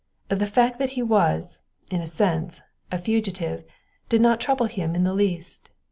The fact that he was, in a sense, a fugitive did not trouble him in the least.